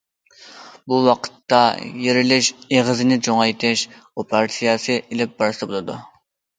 بۇ ۋاقىتتا يېرىلىش ئېغىزىنى چوڭايتىش ئوپېراتسىيەسى ئېلىپ بارسا بولىدۇ.